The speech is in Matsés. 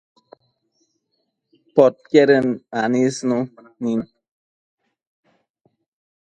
Podquied anisnu nid